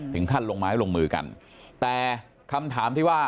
ถึงขั้นลงไม้ลงมือกันแต่คำถามที่ว่า